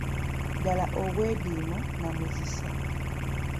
Ddala obwediimo nnamuzisa.